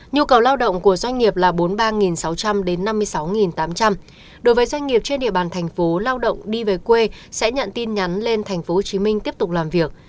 nhu cầu lao động của doanh nghiệp là bốn mươi ba sáu trăm linh đến năm mươi sáu tám trăm linh đối với doanh nghiệp trên địa bàn thành phố lao động đi về quê sẽ nhận tin nhắn lên tp hcm tiếp tục làm việc